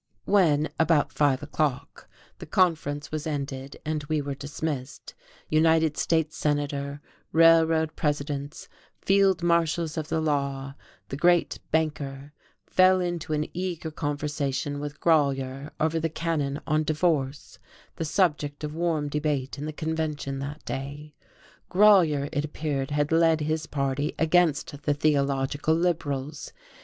When, about five o'clock, the conference was ended and we were dismissed, United States Senator, railroad presidents, field marshals of the law, the great banker fell into an eager conversation with Grolier over the Canon on Divorce, the subject of warm debate in the convention that day. Grolier, it appeared, had led his party against the theological liberals.